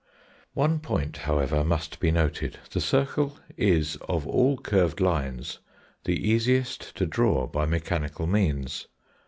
One point, however, must be noted; the circle is of all curved lines the easiest to draw by mechanical means.